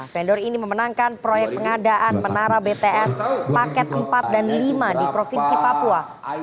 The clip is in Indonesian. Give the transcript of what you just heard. vendor ini memenangkan proyek pengadaan menara bts paket empat dan lima di provinsi papua